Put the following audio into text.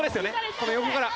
この横から。